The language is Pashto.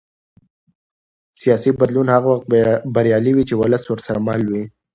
سیاسي بدلون هغه وخت بریالی وي چې ولس ورسره مل وي